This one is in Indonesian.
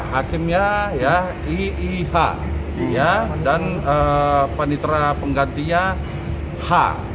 hakimnya i i h dan penitra penggantinya h